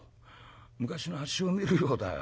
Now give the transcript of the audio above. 昔のあっしを見るようだよ。